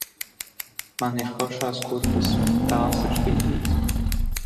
Man ir foršās kurpes, tās ir spīdīgas!